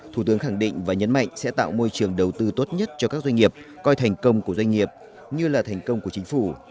thủ tướng khẳng định và nhấn mạnh sẽ tạo môi trường đầu tư tốt nhất cho các doanh nghiệp coi thành công của doanh nghiệp như là thành công của chính phủ